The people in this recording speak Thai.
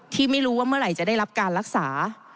ที่ไม่รู้ว่าเมื่อไหร่จะได้รับการรักษา